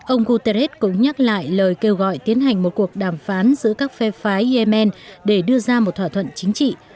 ông guterres cũng nhắc lại lời kêu gọi tiến hành một cuộc đàm phán giữa các phe phái yemen để đưa ra một thỏa thuận chính trị